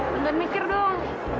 tunggu dan mikir dong